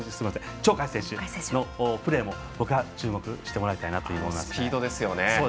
鳥海選手のプレーにも僕は注目してもらいたいなとあのスピードですよね。